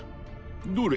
どれ。